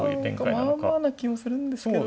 何かまあまあな気もするんですけど。